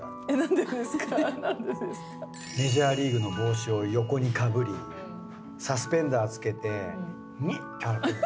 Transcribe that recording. メジャーリーグの帽子を横にかぶりサスペンダー着けてニッ！って笑ってる。